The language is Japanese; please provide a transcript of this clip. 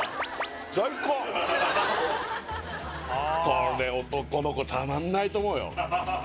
これ男の子たまんないと思うよ